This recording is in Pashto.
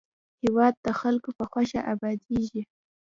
هېواد د خلکو په خوښه ابادېږي.